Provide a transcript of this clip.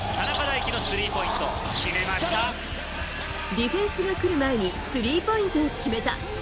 ディフェンスが来る前にスリーポイントを決めた。